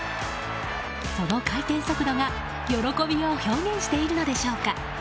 その回転速度が喜びを表現しているのでしょうか。